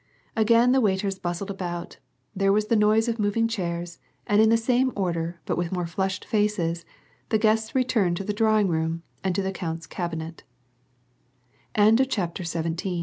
Again the waiters bustled about, there was the noise of moving chairs, and in the same order but with more flushed faces, the guests returned to the drawing room and to the count's cabi